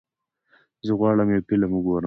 زه غواړم یو فلم وګورم.